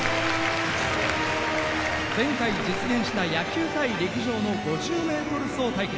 前回実現した野球対陸上の５０ｍ走対決。